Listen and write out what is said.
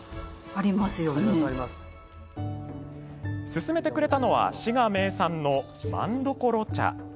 勧めてくれたのは滋賀名産の政所茶。